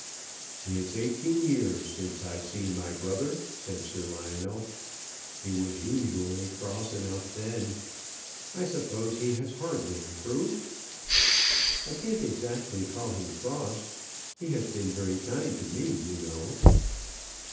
"It's eighteen years since I've seen my brother," said Sir Lionel. "He was usually cross enough then. I suppose he has hardly improved?" "I can't exactly call him cross. He has been very kind to me, you know."